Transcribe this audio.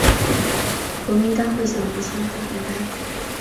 国民大会大明星小跟班